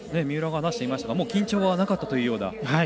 三浦が話していましたがもう緊張はなかったというような。